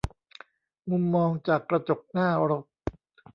มุมมองจากกระจกหน้ารถ